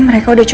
mereka udah coba